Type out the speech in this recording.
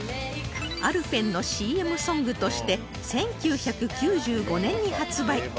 アルペンの ＣＭ ソングとして１９９５年に発売